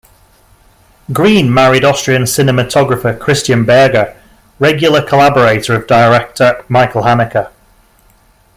Green married Austrian cinematographer Christian Berger, regular collaborator of director Michael Haneke.